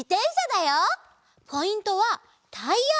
ポイントはタイヤ！